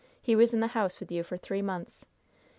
He was in the house with you for three months.